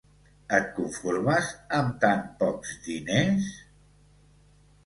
Et conformes amb tan pocs diners?